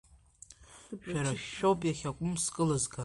Шәара шәоуп иахьакәым скылызга.